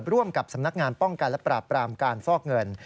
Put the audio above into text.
ร่วมกับสำนักงานป้องกันและปราบปรามการฟอกเงิน